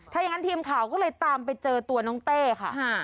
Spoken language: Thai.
ถ้าอย่างนั้นทีมข่าวก็เลยตามไปเจอตัวน้องเต้ค่ะ